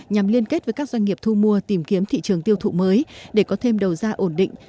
nhằm liên kết với các doanh nghiệp thu mua tìm kiếm thị trường tiêu thụ mới để có thêm đầu ra ổn định